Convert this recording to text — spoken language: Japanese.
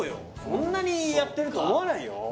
そんなにやってると思わないよ